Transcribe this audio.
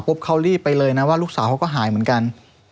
เขารีบไปเลยนะว่าลูกสาวเขาก็หายเหมือนกัน